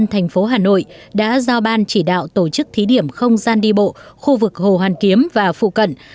thành phố hà nội đã giao ban chỉ đạo tổ chức thí điểm không gian đi bộ khu vực hồ hoàn kiếm và phụ cận